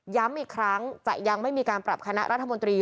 อีกครั้งจะยังไม่มีการปรับคณะรัฐมนตรี